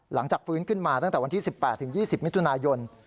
หลังจากฟื้นขึ้นมาตั้งแต่วันที่๑๘๒๐มิถุนายน